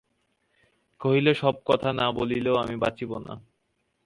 কহিল, সব কথা না বলিলে আমি বাঁচিব না।